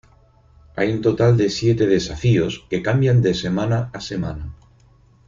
Hay un total de siete desafíos que cambian de semana a semana.